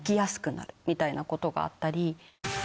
みたいなことがあったり。